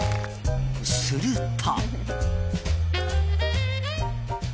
すると。